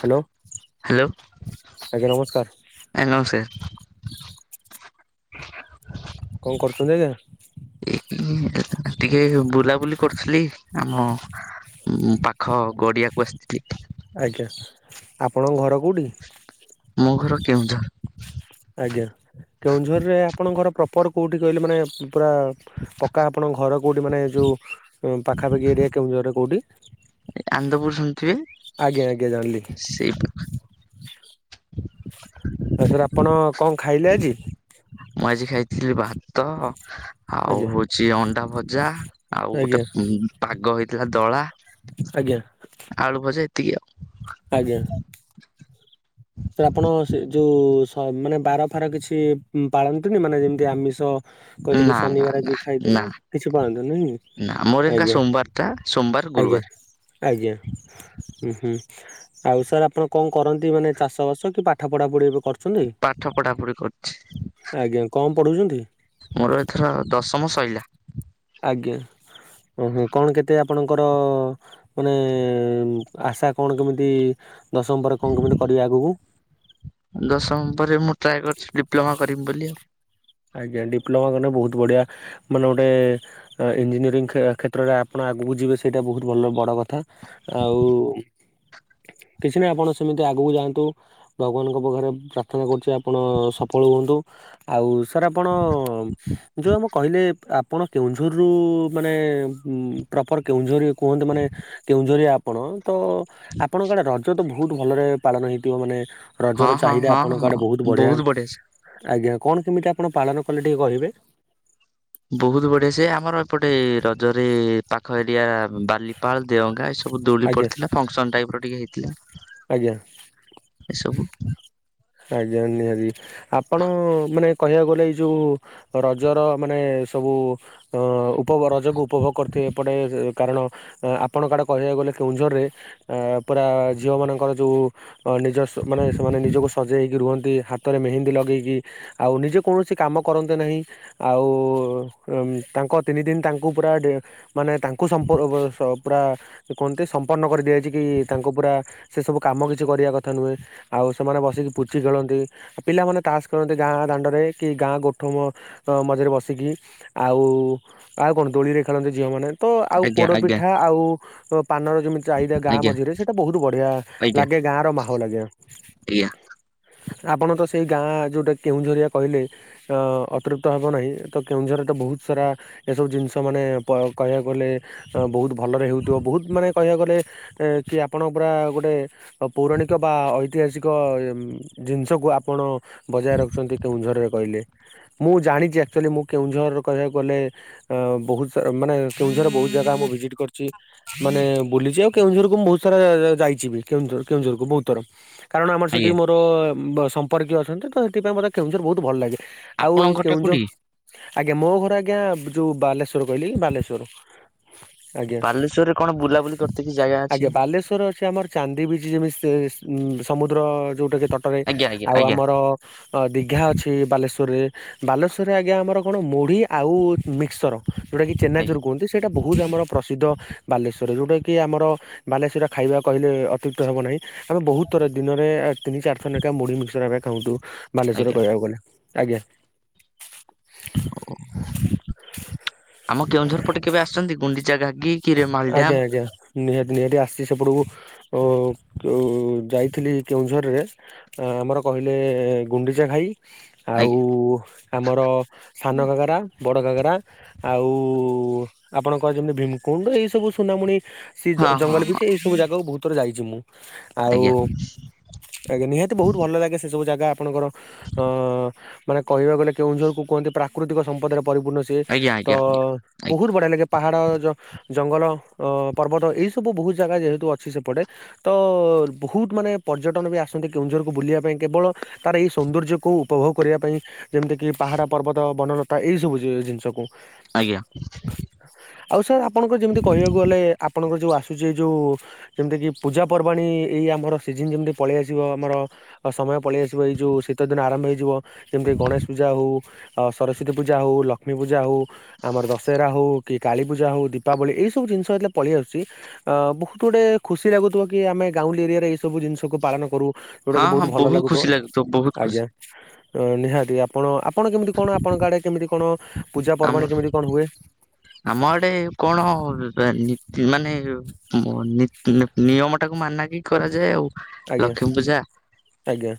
Hello hello ଆଜ୍ଞା ନମସ୍କାର ଆଜ୍ଞା ନମସ୍କାର। କଣ କରୁଛନ୍ତି ଆଜ୍ଞା? ଏ ଟିକେ ବୁଲାବୁଲି କରୁଥିଲି ଆମ ପାଖ ଖ ଗଡିଆକୁ ଆସିଥିଲି ଆଜ୍ଞା ଆପଣଙ୍କ ଘର କେଉଁଠି? ମୋ ଘର କେଉଁଝର। ଆଜ୍ଞା କେଉଁଝରରେ ଆପଣଙ୍କର ପ୍ରପର କୋଉଠି କହିଲେ ମାନେ ପୁରା ପକ୍କା ଆପଣଙ୍କ ଘର କୋଉଠି ମାନେ ଯୋଉ ପାଖାପାଖି ଏରିଆ କେଉଁଝର ରେ କୋଉଠି? ଆନ୍ଦପୁର ଶୁଣିଥିବେ ଆଜ୍ଞା ଆଜ୍ଞା ଜାଣିଲି। ସେଇ ଆ ସାରେ ଆପଣ କଣ ଖାଇଲେ ଆଜି? ମୁଁ ଆଜି ଖାଇଥିଲି ଭାତ। ଆଉ ଆଜ୍ଞା ହଉଛି ଅଣ୍ଡା ଭଜା ଆଉ ଆଜ୍ଞା ଗୋଟେ ପାଗ ହେଇଥିଲା ଦଳା ଆଜ୍ଞା ଆଳୁ ଭଜା ଏତିକି ଆଉ। ଆଜ୍ଞା ସାର୍ ଆପଣ ଶ୍ ଯୋ ଯୋଉ ହ ମାନେ ବାର ଫାର କିଛି ପାଳନ୍ତିନି ମାନେ ଯେମିତି ଆମିଷ କହିଲେ କି ନା ନା ଶନିବାର ନା ଆଜି ନା ଖାଇଦେଲେ କିଛି ପାଳନ୍ତୀନି ନା ଆଜ୍ଞା ତା ସୋମବାର ଆଜ୍ଞା ଗୁରୁବାର ଆଜ୍ଞା ହୁଁ ହୁ ଆଉ ସାର୍ ଆପଣ କଣ କରନ୍ତି ମାନେ? ଚାଷବାସ କି ପାଠ ପଢ଼ାପଢ଼ି ଏବେ କରୁଛନ୍ତି ପାଠ ପଢା ପଢି କରୁଛି ଆଜ୍ଞା କଣ ପଢ଼ୁଛନ୍ତି? ମୋର ଏଥର ଦଶମ ଶୈିଲା ଆଜ୍ଞା ଓହ କଣ କେତେ ଆପଣଙ୍କର ମାନେ ଆଶା କଣ କେମିତି ଦଶମ ପରେ କଣ କେମିତି କରିବା ଆଗକୁ ଦଶମ ପରେ ମୁଁ ଟ୍ରାଏ କରିଛିି ଡିପ୍ଲୋମା କରିମି ବୋଲି ଆଉ ଆଜ୍ଞା ଡିପ୍ଲୋମା କଲେ ବହୁତ ବଢିଆ ମାନେ ଗୋଟେ ଇଞ୍ଜିନିୟରିଂ କ୍ଷେତ୍ରରେ ଆପଣ ଆଗକୁ ଯିବେ ସେଇଟା ବହୁତ ଭଲ ବଡ଼ କଥା ଆଉ କିଛି ନାହିଁ ଆପଣ ସେମିତି ଆଗକୁ ଯାଆନ୍ତୁ ଭଗବାନଙ୍କ ପାଖରେ ପ୍ରାର୍ଥନା କରୁଛି ଆପଣ ସଫଳ ହୁଅନ୍ତୁ ଆଉ ସାର୍ ଆପଣ ଯୋଉ ଆମ କହିଲେ ଆପଣ କେଉଁଝରରୁ ମାନେ ପ୍ରପର କେଉଁଝର କୁହନ୍ତୁ ମାନେ କେଉଁଝରିଆ ଆପଣ ତ ଆପଣଙ୍କ ଆଡେ ରଜ ତ ବହୁତ ଭଲରେ ପାଳନ ହେଇଥିବ ମାନେ ରଜର ହଁ ଚାହିଦା ହଁ ହଁ ଆପଣଙ୍କ ହଁ ଆଡେ ବହୁତ ବଢିଆ ସେ ଆଜ୍ଞା କଣ କେମିତି ଆପଣ ପାଳନ କଲେ ଟିକେ କହିବେ ବହୁତ ବଢିଆ ସେ ଆମର ଏପଟେ ରଜରେ ପାଖ ଏରିଆ ବାଲିପାଳ ଦେଓଙ୍ଗା ଏ ସବୁ ଦୋଳି ଆଜ୍ଞା ପଡିଥିଲା ଫଙ୍କସନ ଟାଇପ ର ଟିକେ ହେଇଥିଲା ଆଜ୍ଞା। ଏସବୁ ଆଜ୍ଞା ନିହାତି ଆପଣ ମାନେ କହିବାକୁ ଗଲେ ଏଇ ଯୋଉ ରଜର ମାନେ ସବୁ ଅ ଉପ ରଜକୁ ଉପଭୋଗ କରିଥିବେ ଏପଟେ କାରଣ ଆପଣଙ୍କ ଆଡ଼େ କହିବାକୁ ଗଲେ କେଉଁଝରରେ ପୁରା ଝିଅମାନଙ୍କର ଯେଉଁ ଅ ନିଜ ସ୍ୱ ମାନେ ସେମାନେ ନିଜକୁ ସଜେଇକି ରୁହନ୍ତି ହାତରେ ମେହେନ୍ଦୀ ଲଗେଇକି ଆଉ ନିଜେ କୌଣସି କାମ କରନ୍ତି ନାହିଁ। ଆଉ ତାଙ୍କ ତିନି ଦିନ ତାଙ୍କୁ ପୁରା ମାନେ ତାଙ୍କୁ ସପର୍ ପୁରା କୁହନ୍ତି ସମ୍ପନ୍ନ କରିଦିଆଯାଇଛି କି ତାଙ୍କୁ ପୁରା ସେ ସବୁ କାମ କିଛି କରିବା କଥା ନୁହେଁ। ଆଉ ସେମାନେ ବସିକି ପୁଚି ଖେଳନ୍ତିଉ ପିଲାମାନେ ତାସ ଖେଳନ୍ତି ଗାଁ ଦାଣ୍ଡରେ କି ଗାଁ ଗୋଠମ ଅ ମଝରେ ବସିକି ଆଉ ଆଉ କଣ ଦୋଳି ରେ ଖେଳନ୍ତି ଝିଅମାନେ। ତ ଆଉ ଆଜ୍ଞା ଆଜ୍ଞା ପୋଡ଼ପିଠା ଆଉ ପାନର ଯେମିତି ଚାହିଦା ଗାଁ ଆଜ୍ଞା ମଝିରେ ସେଇଟା ବହୁତ ବଢିଆ ଆଜ୍ଞା ଲାଗେ ଗାଁ ର ମାହୋଲ ଲାଗେ। ଆଜ୍ଞା। ଆପଣ ତ ସେଇ ଗାଁ ଯୋଉଟା କେଉଁଝରିଆ କହିଲେ। ଅ ଅତୃୁପ୍ତ ହେବ ନାହିଁ ତ କେଉଁଝରେ ତ ବହୁତ ସାରା ଏସବୁ ଜିନିଷ ମାନେ କ କହିବାକୁ ଗଲେ ବହୁତ ଭଲରେ ହେଉଥିବ ବହୁତ ମାନେ କହିବାକୁ ଗଲେ କି ଆପଣଙ୍କ ପୁରା ଗୋଟେ ପୌରାଣିକ ବା ଐତିହାସିକ ଜିନିଷକୁ ଆପଣ ବଜାର ରଖୁଛନ୍ତି କେଉଁଝରରେ କହିଲେ ମୁଁ ଜାଣିଛି ଆକ୍ଚୁଆଲି ମୁଁ କେଉଁଝରରେ କହିବାକୁ ଗଲେ ତ୍ ବହୁତ ଶା -ମାନେ କେନ୍ଦୁଝର ବହୁତ ଜାଗା ମୁଁ ଭିଜିଟ କରିଛି। ମାନେ ବୁଲିଯିବାକୁ କେଉଁଝରକୁ ମୁଁ ବହୁତ ସାରା ଯାଇଛିିବି କେଉଁଝର କେଉଁଝରକୁ ବହୁତ ଥର। କାରଣ ଆମର ସେଠି ଆଜ୍ଞା ମୋର ସମ୍ପର୍କୀୟ ଅଛନ୍ତି ତ ତ ହେଥିପାଇଁ ମୋତେ କେନ୍ଦୁଝର ବହୁତ ଭଲ ଲାଗେ। ଆଉ ଆପଣଙ୍କ ଘରଟା କେଉଁଝ କୋଉଠି? ଆଜ୍ଞା ମୋ ଘର ଆଜ୍ଞା ଯୋଉ ବାଲେଶ୍ଵର କହିଲି କି ବାଲେଶ୍ଵର। ଆଜ୍ଞା ବାଲେଶ୍ଵରରେ କଣ ବୁଲାବୁଲି କରିତେ କି ଜାଗା ଅଛି? ଆଜ୍ଞା ବାଲେଶ୍ଵର ଅଛି ଆମର ଚାନ୍ଦି ବିିଚ୍ ଯେମିତି ସମୁଦ୍ର ଯେଉଁଟାକି ତଟରେ ଆଜ୍ଞା ଆଜ୍ଞା ଆଉ ଆଜ୍ଞା ଆମର ଅ ଦୀଘା ଅଛି ବାଲେଶ୍ୱରରେ ବାଲେଶ୍ୱରରେ ଆଜ୍ଞା ଆମର କଣ ମୁଢି ଆଉ ମିକ୍ସର ଯଉଟାକି ଆଜ୍ଞା ଚେନାଚୁରୁ କୁହନ୍ତି ସେଇଟା ବହୁତ ଆମର ପ୍ରସିଦ୍ଧ। ବାଲେଶ୍ୱରରେ ଯଉଟାକି ଆମର ବାଲେଶ୍ଵରିଆ ଖାଇବା କହିଲେ ଅତିରିକ୍ତ ହବ ନାହିଁ ଆମେ ବହୁତ ଥର ଦିନରେ ତିନି ଚାର ଥର ନେଖା ମୁଢ଼ୀ ମିକ୍ସର ଆମେ ଖାଉଁନ୍ତୁ ବାଲେଶ୍ରରେ ଆଜ୍ଞା। କହିବାକୁ ଗଲେ ଆଜ୍ଞା। ଓ ଆମ କେଉଁଝର ପଟେ କେବେ ଆସଛନ୍ତି ଗୁଣ୍ଡିଚା ଘାଗି? କି ରେମାଳ ଡ୍ୟାମ? ଆଜ୍ଞା ଆଜ୍ଞା ନିହାତି ନିହାତି ଆସିଛି ସେପଟକୁ ଅ କେ ଯାଇଥିଲି କେଉଁଝରରେ ଆମର କହିଲେ ଗୁଣ୍ଡିଚା ଘାଇ ଆଉ ଆଜ୍ଞା ଆମର ସାନ ଘାଗରା ବଡ଼ ଘାଗରା ଆଉ ଆପଣଙ୍କ ଯେମିତି ଭୀମ କୁଣ୍ଡ ଏଇ ସବୁ ସୁନାମୁଣି ସେ ହଁ ହଁ ଜଙ୍ଗଲ ହଁ ବିଚ ଏଇ ସବୁ ଜାଗାକୁ ବହୁତ ଥରେ ଯାଇଛି ମୁଁ। ଆଉ ଆଜ୍ଞା ଆଜ୍ଞା ନିହାତି ବହୁତ ଭଲ ଲାଗେ ସେ ସବୁ ଜାଗା ଆପଣଙ୍କର ଅ ମାନେ କହିବାକୁ ଗଲେ କେଉଁଝରକୁୁ କୁହନ୍ତି ପ୍ରାକୃତିକ ସମ୍ପଦରେ ପରିପୂର୍ଣ୍ଣ ଚି ଆଜ୍ଞା ତ ଆଜ୍ଞା ଆଜ୍ଞା ବହୁତ ଆଜ୍ଞା। ବଢିଆ ଲାଗେ ପାହାଡ ଯ ଜଙ୍ଗଲ ଅ ପର୍ବତ ଏଇ ସବୁ ବହୁତ ଜାଗା ଯେହେତୁ ଅଛି ସେପଟେ। ତ ବହୁତ ମାନେ ପର୍ଯ୍ୟଟନ ବି ଆସନ୍ତି କେଉଁଝରକୁ ବୁଲିବା ପାଇଁ କେବଳ ତାର ଏଇ ସୌନ୍ଦର୍ଯ୍ୟକୁ ଉପଭୋଗ କରିବା ପାଇଁ। ଯେମିତି କିି ପାହାଡ ପର୍ବତ ବନଲତା ଏଇ ସବୁ ଜିନିଷକୁ। ଆଜ୍ଞା। ଆଉ ସାର୍ ଆପଣଙ୍କର ଯେମିତି କହିବାକୁ ଗଲେ ଆପଣଙ୍କର ଯୋଉ ଆସୁଛି ଏ ଯୋଉ ଯେମିତିକି ପୂଜାପର୍ବାଣିୀ ଏଇ ଆମର ସିଜନ୍ ଯେମିତି ପଳେଇ ଆସିବ ଆମର ଆଉ ସମୟ ପଳେଇ ଆସିବ ଏଇ ଯୋଉ ଶୀତ ଦିନ ଆରମ୍ଭ ହେଇଯିବ। ଯେମିତି ଗଣେଶ ପୂଜା ହଉ ସରସ୍ଵତୀ ପୂଜା ହଉ ଲକ୍ଷ୍ମୀ ପୂଜା ହଉ ଆମର ଦଶହେରା ହଉ କି କାଳୀ ପୂଜା ହଉ ଦୀପାବଳି ଏଇ ସବୁ ଜିନିଷ ଯେତେଳେ ପଳେଇ ଆସୁଛି ଅ ବହୁତ ଗୁଡେ ଖୁସି ଲାଗୁଥିବ କି ଆମେ ଗାଉଁଲି ଏରିଆରେ ଏଇ ସବୁ ଜିନିଷକୁୁ ପାଳନ କରୁ। ଯୋଉଟା ହଁ କି ବହୁତ ହଁ ଭଲ ଲାଗୁଥିବ। ଖୁସି ବହୁତ ଖୁସି ଆଜ୍ଞା ନିହାତି ଆପ ଆପଣ ଆପଣ କେମିତି କଣ ଆପଣଙ୍କ ଆଡେ କେମିତି କଣ ପୂଜା ଆମର ପର୍ବାଣୀ କେମିତି କଣ ହୁଏ? ଆମ ଆଡେ କଣ ମାନେ ନିୟମ ଟାକୁ ମାନାକି କରାଯାଏ ଆଉ। ଆଜ୍ଞା ଲକ୍ଷ୍ମୀ ପୂଜା ଆଜ୍ଞା।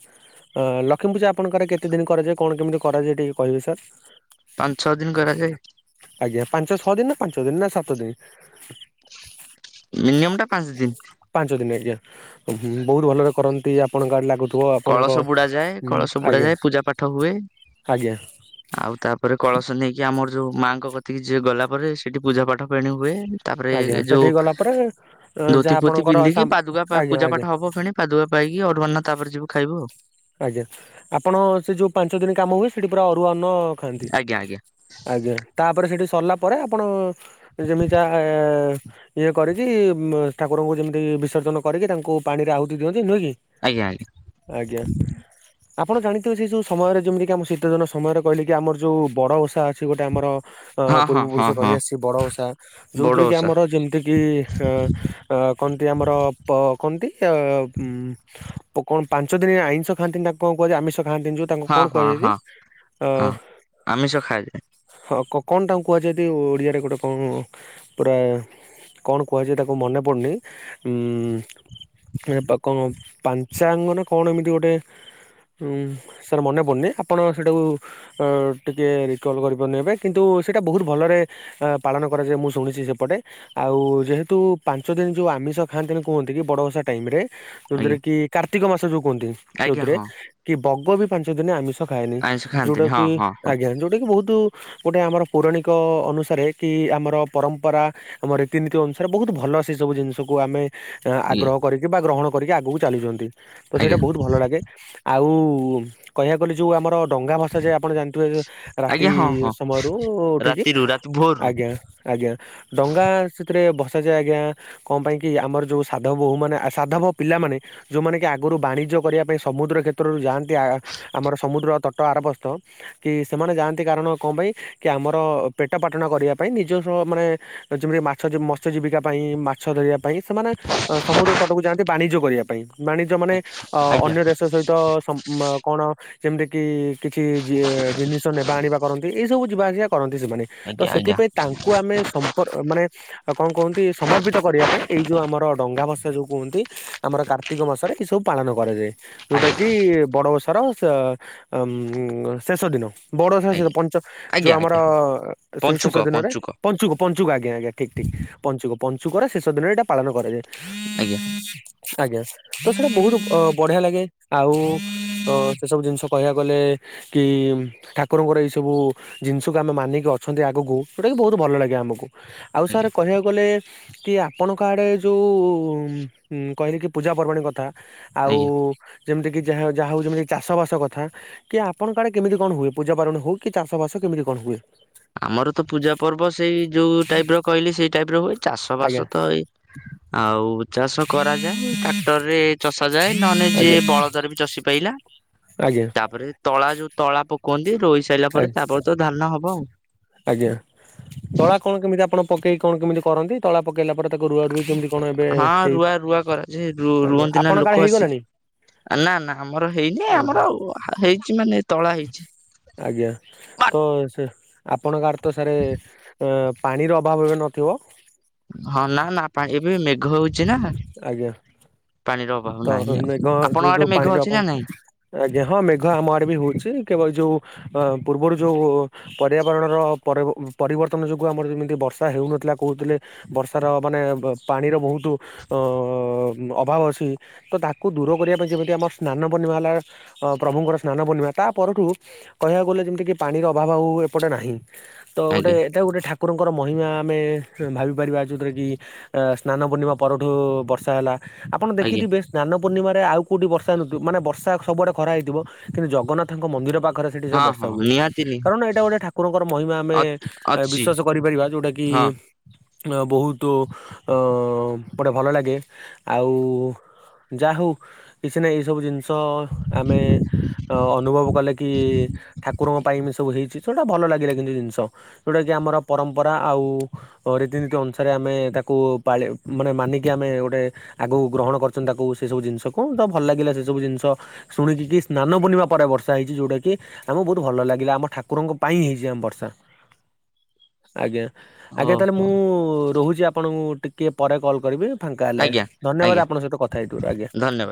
ଅଁ ଲକ୍ଷ୍ମୀ ପୂଜା ଆପଣଙ୍କର କେତେ ଦିନ କରାଯାଏ? କଣ କେମିତି କରାଯାଏ ଟିକେ କହିବେ ସାର୍? ପାଞ୍ଚ ଛଅ ଦିନ କରାଯାଏ। ଆଜ୍ଞା, ପାଞ୍ଚ ଛଅ ଦିନ ନା ପାଞ୍ଚ ଦିନ ନା ସାତ ଦିନ। ମିନିମମ୍ ଟା ପାଞ୍ଚ ଦିନ। ପାଞ୍ଚ ଦିନ ଆଜ୍ଞା ବହୁତ ଭଲରେ କରନ୍ତି। ଆପଣଙ୍କ ଆଡେ ଲାଗୁଥିବ କଳସ ବୁଡା ଯାଏ ଆପଣଙ୍କଉଁ କଳସ ବୁଡା ଆଜ୍ଞା ଯାଏ ପୂଜା ପାଠ ହୁଏ ଆଜ୍ଞା। ଆଉ ତାପରେ କଳସ ନେଇକି ଆମର ଯୋଉ ମାଆଙ୍କ କତିକି ଯିଏ ଗଲା ପରେ ସେଠି ପୂଜା ପାଠ ଫେଣି ହୁଏ। ତାପରେ ଆଜ୍ଞା ଯୋଉ ସେଠିକି ଗଲା ପରେ ଅ, ଧୋତି ଯାହା ପୋତି ଆପଣଙ୍କର ପିନ୍ଧିକି ସାମ ପାଦୁକା ଆଜ୍ଞା ପୂଜା ଆଜ୍ଞା ପାଠ ହବ ଫେଣେ। ପାଦୁଆ ପାଇକି, ଅରୁଆ ଅର୍ଣ୍ଣ ତାପରେ ଯିବୁ ଖାଇବୁ ଆଉ। ଆଜ୍ଞା, ଆପଣ ସେ ଯୋଉ ପାଞ୍ଚ ଦିନ କାମ ହୁଏ ସେଠି ପୁରା ଅରୁଆ ଅର୍ଣ୍ଣ ଖାଆନ୍ତି? ଆଜ୍ଞା ଆଜ୍ଞା ଆଜ୍ଞା, ତାପରେ ସେଠି ସରିଲା ପରେ ଆପଣ ଯେମିତି [unintelligible] ଇଏ କରିକି, ଠାକୁରଙ୍କୁ ଯେମିତି ବିସର୍ଜନ କରିକି, ତାଙ୍କୁ ପାଣିରେ ଆହୁତି ଦିଅନ୍ତି ନୁହେଁ କି। ଆଜ୍ଞା। ଆଜ୍ଞା। ଆପଣ ଜାଣିଥିବେ ସେଇ ଯୋଉ ସମୟରେ ଯେମିତି କିି ଆମ ଶୀତ ଦିନ ସମୟରେ କହିଲେ କି, ଆମର ଯୋଉ ବଡ ଓଷା ଅଛି ଗୋଟେ ଆମର ହଁ ହଁ ହଁ ପୂର୍ବପୁରୁଷ ହଁ ରହିଆସିସି ବଡ଼ ଓଷା। ବଡ ଯେଉଁଥିରେ କିି ଓଷା ଆମର ଯେମିତିକି ଅ କହନ୍ତି ଆମର କହନ୍ତି ଉ [unintelligible] କଣ ପାଞ୍ଚ ଦିନି ଆଇଁଷ ଖାଆନ୍ତି ନା କଣ କୁହାଯାଏ ଆମିଷ ଖାଆନ୍ତିନି। ତାଙ୍କୁ ହଁ କଣ ହଁ କୁହାଯାଇଛି? ହଁ ହଁ ଆମିଷ ଖାଆଯାଏ [unintelligible] ହଁ କଣ ତାଙ୍କୁ କୁହାଯାଏନ୍ତି? ଓଡ଼ିଆରେ ଗୋଟେ କଣ ପୁରା- କଣ କୁହାଯାଏ ତାକୁ ମନେ ପଡ଼ୁନି? [unintelligible] କଣ ପାଞ୍ଚାଙ୍ଗନ୍ କଣ ଏମିତି ଗୋଟେ ଉଁ ସାର୍ ମନେ ପଡୁନି ଆପଣ ସେଇଟାକୁ ହଁ ଟିକିଏ ରିକଲ୍ କରିପାରୁନି ଏବେ କିନ୍ତୁ, ସେଇଟା ବହୁତୁ ଭଲରେ [unintelligible] ପାଳନ କରାଯାଏ ମୁଁ ଶୁଣିଛି ସେପଟେ। ଆଉ ଯେହେତୁ ପାଞ୍ଚ ଦିନ ଯୋଉ ଆମିଷ ଖାଆନ୍ତିନି କୁହନ୍ତି କି ବଡ଼ ଓଷା ଟାଇମ୍ ରେ ଆଜ୍ଞା। ଯୋଉଥିରେ କି କାର୍ତ୍ତିକ ମାସ ଯୋଉ କୁହନ୍ତି। ଆଜ୍ଞା ଯୋଉଥିରେ ହଁ କି ବଗ ବି ପାଞ୍ଚ ଦିନ ଆମି ଖାଏନି। ଆଇଁଷ ଯୋଉଟା ଖାଆନ୍ତିନି ହଁ କି ହଁ ହଁ ଆଜ୍ଞା ଯୋଉଟା କି ବହୁତ୍ ଗୋଟେ ଆମର ପୌରାଣିକ ଅନୁସାରେ, କି ଆମର ପରମ୍ପରା ଆମ ରୀତିନୀତି ଅନୁସାରେ ବହୁତ ଭଲ ସେ ସବୁ ଜିନିଷକୁ ଆମେ ଆଜ୍ଞା ଆଗ୍ରହ କରିକି, ବା ଗ୍ରହଣ କରିକି ଆଗକୁ ଚାଲୁଚନ୍ତି। ତ ସେଇଟା ଆଜ୍ଞା ବହୁତୁ ଭଲ [unintelligible] ଆଉ କହିବାକୁ ଗଲେ ଯୋଉ ଆମର ଡଙ୍ଗା ଭଷା ଯାଏ ଆପଣ ଜାଣିଥିବେ ରାତି ଆଜ୍ଞା ହଁ ହଁ ସମୟରୁ ଉଠିକି, ରାତିରୁ ରାତି ଭୋରରୁ ଆଜ୍ଞା। ଆଜ୍ଞା, ଡଙ୍ଗା ସେଥିରେ ଭସାଯାଏ ଆଜ୍ଞା କଣ ପାଇଁ କି? ଆମର ଯୋଉ ସାଧବ ବୋହୂ ମାନେ ସାଧବ ପିଲା ମାନେ ଯୋଉମାନେ କି ଆଗରୁ ବାଣିଜ୍ୟ କରିବା ପାଇଁ ସମୁଦ୍ର କ୍ଷେତ୍ରରୁ ଯାଆନ୍ତି ଆମର ସମୁଦ୍ର ତଟ ଆରବସ୍ କି ସେମାନେ ଯାଆନ୍ତି କାରଣ କଣ ପାଇଁ? କି ଆମର ପେଟ ପାଟଣ କରିବା ପାଇଁ ନିଜସ୍ଵ ମାନେ ଯେମିତି ମାଛ [unintelligible] ମତ୍ସ୍ୟ ଜୀବିକା ପାଇଁ ମାଛ ଧରିବା ପାଇଁ। ସେମାନେ ସମୁଦ୍ର ତଟକୁ ଯାଆନ୍ତି ବାଣିଜ୍ୟ କରିବା ପାଇଁ। ବାଣିଜ୍ୟ ମାନେ ଅ ଆଜ୍ଞା ଅନ୍ୟ ଦେଶ [unintelligible] କଣ ଯେମିତି କି କିଛି ଜିନିଷ ନେବା ଆଣିବା କରନ୍ତି। ଏଇ ସବୁ ଯିବା ଆସିବା କରନ୍ତି ସେମାନେ। ତ ଆଜ୍ଞା ଆଜ୍ଞା ସେଥିପାଇଁ ତାଙ୍କୁ ଆମେ ସମ୍ପର୍କ ମାନେ ଆ କଣ କୁହନ୍ତି ସମର୍ପିତ କରିବା ପାଇଁ। ଏଇ ଯୋଉ ଆମର ଡଙ୍ଗା ଭସା ଯୋଉ କୁହନ୍ତି। ଆମର କାର୍ତ୍ତିକ ମାସରେ ଏଇ ସବୁ ପାଳନ କରାଯାଏ। ଯୋଉଟା ଆଜ୍ଞା କି ବଡ଼ ଓଷାର ଶେଷ ଦିନ [unintelligible] ଆଜ୍ଞା ଯୋଉ ଆଜ୍ଞା ଆମର ଆଜ୍ଞା ହଁ ସେଇ ଶେଷ ଦିନରେ ପଞ୍ଚୁକ ଆଜ୍ଞ-ଆଜ୍ଞା ଠିକ୍ ଠିକ୍ ପଞ୍ଚୁକ ପଞ୍ଚୁକରେ ଶେଷ ଦିନ ଏଇଟା ପାଳନ କରାଯାଏ। ଆଜ୍ଞା। ଆଜ୍ଞା ତ ସେଟା ବହୁତୁ ଅ ବଢିଆ ଲାଗେ। ଆଉ, ସେ ସବୁ ଜିନିଷ କହିବାକୁ ଗଲେ କି ଠାକୁରଙ୍କର ଏଇ ସବୁ ଜିନିଷକୁ ଆମେ ମାନିକି ଅଛନ୍ତି, ଆଗକୁ ଯଉଟାକି ବହୁତୁ ଭଲ ଲାଗେ ଆମକୁ। ଆଉ ସାରେ ଆଜ୍ଞା କହିବାକୁ ଗଲେ କି ଆପଣଙ୍କ ଆଡ଼େ ଯୋଉ କହିଲେ କି ପୂଜା ପର୍ବାଣୀ କଥା ଆଉ ଆଜ୍ଞା ଯେମିତି କି ଯାହା-ଯାହା ହଉଚି ମାନେ ଚାଷ ବାସ କଥା କି ଆପଣ ଆଡେ କେମିତି କଣ ହୁଏ, ପୂଜା ପାର୍ବଣ ହଉ କି ଚାଷ ବାସ କେମିତି କଣ ହୁଏ? ଆମର ତ ପୂଜା ପର୍ବ ସେଇ ଯୋଉ ଟାଇପ୍ ର କହିଲି ସେଇ ଟାଇପ୍ ର ହୁଏ ଚାଷ ଆଜ୍ଞା ବାସ ତ ଏଇ ଆଉ ଚାଷ କରାଯାଏ, ଟ୍ରାକ୍ଟର ରେ ଚଷା ଯାଏ, ନହଲେ ଯିଏ ଆଜ୍ଞା ବଳଦରେ ବି ଚଷି ପାଇଲା। ଆଜ୍ଞା। ତାପରେ, ତଳା ଯଉ ତଳା ପକୁଅନ୍ତି ରୋଇଶ୍ ଆଚ୍ଛା ଆଜ୍ଞା, ତଳା କଣ କେମିତି ଆପଣ ପକେଇକି କଣ କେମିତି କରନ୍ତି, ତଳା ପକେଇଲା ପରେ ତାକୁ ରୁଆ ରୁଇ କେମିତି କଣ ଏବେ ହଁ ହେଇ, ରୁଆ ରୁଆ କରାଯାଏ ଆଜ୍ଞା ରୁଅନ୍ତି ନା ଆପଣଙ୍କ ଲୋକ ଆଡ଼େ ଆସି ହେଇଗଲାଣି? ନା ନା ଆମର ହେଇନି ଓହୋ ଆମର ହେଇଛି ମାନେ ତଳା ହେଇଛି। ଆଜ୍ଞା, ତ ସେ ଆପଣଙ୍କଆଡ଼େ ତ ସାରେ ଅ ପାଣିର ଅଭାବ ଏବେ ନଥିବ? ହଁ ନା ନା ପାଣି ଏବେ ମେଘ ହଉଛି ନା। ଆଜ୍ଞା, ପାଣିର ଅଭାବ ତ ନାହିଁ ଆଉ। ମେଘ ଆପଣଙ୍କ ଯଉଠୁ ଆଡେ ମେଘ ପାଣିରେ ଅଛି ଆପଣ ନା ନାଇଁ? ଆଜ୍ଞା, ହଁ ମେଘ ଆମ ଆଡେ ବି ହଉଛି କେବଳ ଯଉ ପୂର୍ବରୁ ଯୋଉ ପର୍ୟାବରଣର ପରି ପରିବର୍ତ୍ତନ ଯୋଗୁଁ ଆମର ଯେମିତି ବର୍ଷା ହେଉନଥିଲା କହୁଥିଲେ ବର୍ଷାର ମାନେ ପାଣିର ବହୁତ ଅ ଅଭାବ ଅଛି ତ ତାକୁ ଦୂର କରିବା ପାଇଁ ଯେମିତି ଆମର ସ୍ନାନ ପୂର୍ଣ୍ଣିମା ହେଲା ଅ ପ୍ରଭୁଙ୍କର ସ୍ନାନ ପୂର୍ଣିମା, ତା ପରଠୁ କହିବାକୁ ଗଲେ ଯେମିତି କିି ପାଣିର ଅଭାବ ଆଉ ଏପଟେ ନାହିଁ। ତ ଗୋଟେ ଆଜ୍ଞା ଏଟା ଗୋଟେ ଠାକୁରଙ୍କର ମହିମା ଆମେ ଭାବିପାରିବା ଯୋଉଥିରେ କି ଅ ସ୍ନାନ ପୂର୍ଣ୍ଣିମା ପରଠୁ ବର୍ଷା ହେଲା, ଆପଣ ଦେଖି ଆଜ୍ଞା ଥିବେ ସ୍ନାନ ପୂର୍ଣ୍ଣିମାରେ ଆଉ କଉଠି ବର୍ଷା ନଥିବ, ମାନେ ବର୍ଷା ସବୁଆଡେ ଖରା ହେଇଥିବ, କିନ୍ତୁ ଜଗନ୍ନାଥଙ୍କ ମନ୍ଦିର ପାଖରେ ଖରେ ସେଠି ସେ ହଁ ବର୍ଷା ହଁ ହୁଏ। ନିହାତି ନି କାରଣ ଏଇଟା ଗୋଟେ ଠାକୁରଙ୍କର ମହିମା ଆମେ ଅଛି ବିଶ୍ଵାସ କରିପାରିବା ଯୋଉଟା କି ହଁ ବହୁତୁ ଅଁ ଗୋଟେ ଭଲ ଲାଗେ, ଆଉ ଯା ହଉ, କିଛିନାଇଁ ଏଇ ସବୁ ଜିନିଷ ଆମେ ଅ ଅନୁଭବ କଲେ କି, ଠାକୁରଙ୍କ ପାଇଁ ବି ସବୁ ହେଇଛି, ଜଉଟା ଭଲ ଲାଗିଲା କିନ୍ତୁ ଜିନିଷ ଯଉଟା କିି ଆମର ପରମ୍ପରା ଆଉ ରୀତିନୀତି ଅନୁସାରେ ଆମେ ତାକୁ ପାଳି ମାନେ ମାନିକି ଆମେ ଗୋଟେ ଆଗକୁ ଗ୍ରହଣ କରି ତାକୁ ସେସବୁ ଜିନିଷକୁ, ତ ଭଲ ଲାଗିଲା ସେସବୁ ଜିନିଷ ଶୁଣିକି କି ସ୍ନାନ ପୁର୍ଣିମା ପରେ ବର୍ଷା ହେଇଛି ଯଉଟା କି ଆମକୁ ବହୁତ ଭଲ ଲାଗିଲା, ଆମ ଠାକୁରଙ୍କ ପାଇଁ ହେଇଛି ଆମ ବର୍ଷା [unintelligible] ଆଜ୍ଞା, ହଉ ଆଜ୍ଞା ତାହାଲେ ହଉ ମୁଁ ରହୁଛି ଆପଣଙ୍କୁ ଟିକିଏ ପରେ କଲ୍ କରିବି। ଫାଙ୍କା ହେଲେ, ଆଜ୍ଞା ଧନ୍ୟବାଦ ଆଜ୍ଞା ଆପଣଙ୍କ ସହିତ କଥା ହେଇଥିବରୁ ଆଜ୍ଞା। ଧନ୍ୟବାଦ।